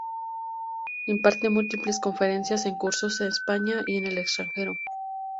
Imparte múltiples conferencias y cursos en España y en el extranjero.